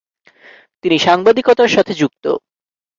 তিনি সাংবাদিকতার সাথে যুক্ত।